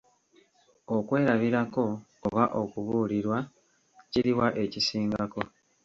Okwerabirako oba okubuulirwa, kiriwa ekisingako?